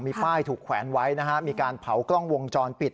มีป้ายถูกแขวนไว้นะฮะมีการเผากล้องวงจรปิด